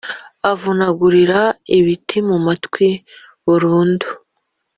Avunagurira ibiti mu matwi burundu